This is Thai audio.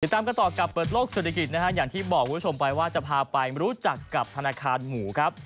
ตามกันต่อกับเปิดโลกเศรษฐกิจนะฮะอย่างที่บอกคุณผู้ชมไปว่าจะพาไปรู้จักกับธนาคารหมูครับ